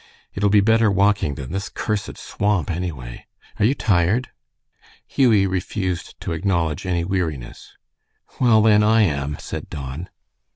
It'll be better walking than this cursed swamp, anyway. Are you tired?" Hughie refused to acknowledge any weariness. "Well, then, I am," said Don.